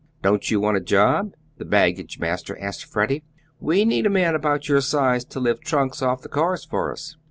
"Don't you want a job?" the baggagemaster asked Freddie. "We need a man about your size to lift trunks off the cars for us."